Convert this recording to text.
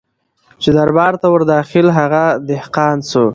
چي دربار ته ور داخل هغه دهقان سو